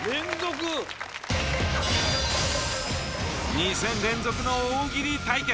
２戦連続の大喜利対決。